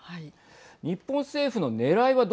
日本政府のねらいははい。